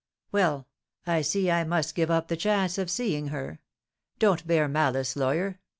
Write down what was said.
"Well, I see I must give up the chance of seeing her. Don't bear malice, lawyer.